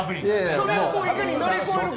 それをいかに乗り越えるか。